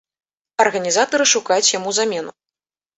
Арганізатары шукаюць яму замену.